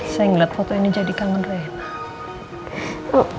sayang banget foto ini jadi kangen reina